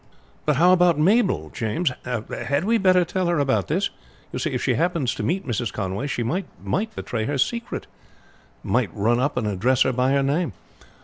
"But how about Mabel, James? Had we better tell her about this? You see, if she happens to meet Mrs. Conway she might betray her secret might run up and address her by her name."